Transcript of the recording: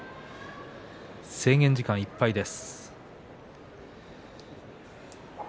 制限時間いっぱいです。